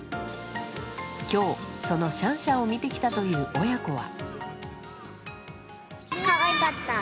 今日、そのシャンシャンを見てきたという親子は。